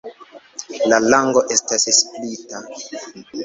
La lango estas splita.